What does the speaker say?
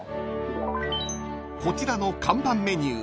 ［こちらの看板メニュー］